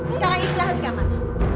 sekarang ikhlas kamar